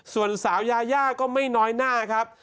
ส่วนสาวยายาก็ไม่น้อยหน้าครับ